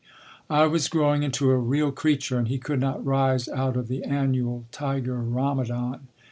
I was growing into a real creature and he could not rise out of the annual tiger rhamadan.